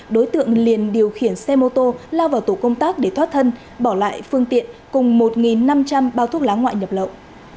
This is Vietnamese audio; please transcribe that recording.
đối tượng liền điều khiển xe mô tô lao vào tổ công tác để thoát thân bỏ lại phương tiện cùng một năm trăm linh bao thuốc lá ngoại nhập lậu